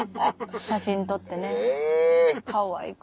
写真撮ってねかわいく。